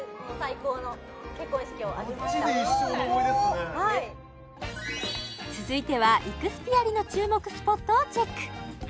マジで一生の思い出っすねはい続いてはイクスピアリの注目スポットをチェック